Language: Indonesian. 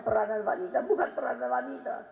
peranan wanita bukan peranan wanita